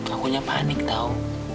aku hanya panik tau